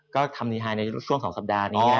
ก็ทำเนี่ยช่วง๒สัปดาห์นี้